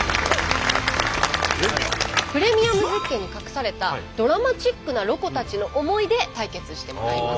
プレミアム絶景に隠されたドラマチックなロコたちの思いで対決してもらいます。